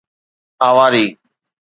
اواري